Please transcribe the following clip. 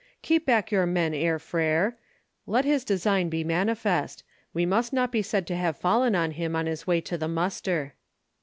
"Keep back your men, Herr Freiherr. Let his design be manifest. We must not be said to have fallen on him on his way to the muster."